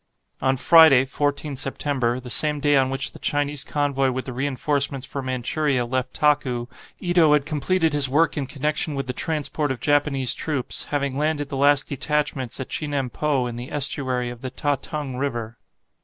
On Friday, 14 September the same day on which the Chinese convoy with the reinforcements for Manchuria left Taku Ito had completed his work in connection with the transport of Japanese troops, having landed the last detachments at Chinampo in the estuary of the Ta tung River.